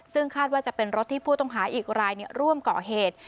ซึ่งคาดว่าจะเป็นรถที่ผู้ต้องหาอีกรายร่วมก่อเหตุ